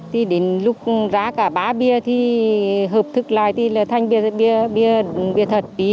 thì đến lúc ra cả ba bia thì hợp thức lại thì là thanh bia bia thật